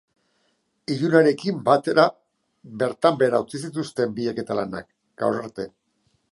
Ilunarekin batera bertan behera utzi zituzten bilaketa lanak, gaur arte.